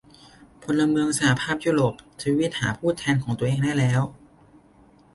พลเมืองสหภาพยุโรป ทวีตหาผู้แทนของตัวเองได้แล้ว